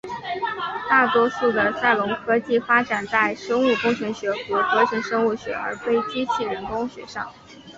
大多数的赛隆科技发展在生物工程学和合成生物学而非机器人工学上。